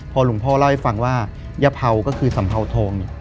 พอหลวงพ่อเล่าให้ฟังว่ายะเผาก็คือสัมเภาทองเนี่ย